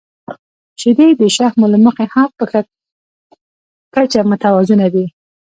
• شیدې د شحمو له مخې هم په ښه کچه متوازنه دي.